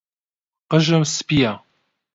قژم سپییە.